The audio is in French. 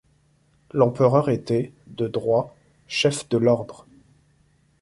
L'empereur était, de droit, chef de l'ordre.